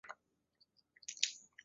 自由对流云通常在的高度形成。